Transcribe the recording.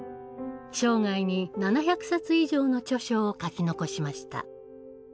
生涯に７００冊以上の著書を書き残しました。